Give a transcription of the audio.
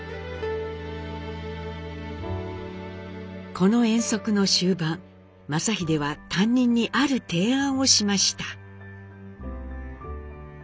この遠足の終盤正英は担任に「ある提案」をしました。